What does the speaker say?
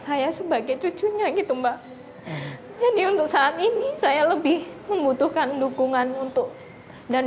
saya sebagai cucunya gitu mbak jadi untuk saat ini saya lebih membutuhkan dukungan untuk dan